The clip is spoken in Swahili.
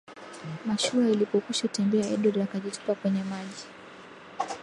mashua ilipokwisha tembea edward akajitupa kwenye maji